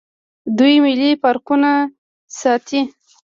دوی ملي پارکونه ساتي.